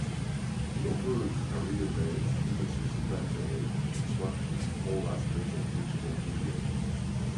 It offers career-based, industry-standard instruction for all aspects of digital media.